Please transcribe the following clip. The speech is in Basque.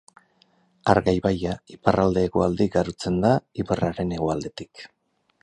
Arga ibaia iparralde-hegoalde igarotzen da ibarraren hegoaldetik.